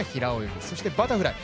そしてバタフライ。